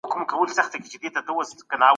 ليکوال بايد د ټولني لپاره قلم پورته کړي.